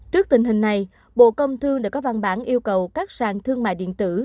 trước tình hình này bộ công thương đã có văn bản yêu cầu các sàn thương mại điện tử